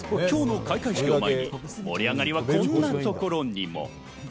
今日の開会式を前に盛り上がりはこんなところにも。